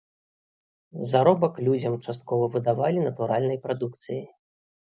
Заробак людзям часткова выдавалі натуральнай прадукцыяй.